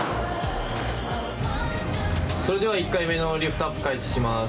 それでは１回目のリフトアップ開始します。